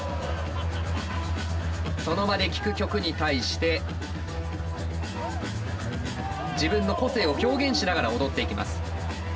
その場で聴く曲に対して自分の個性を表現しながら踊っていきます。